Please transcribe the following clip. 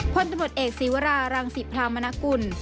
พลตำรวจเอกศีวรารังศิพรามนกุล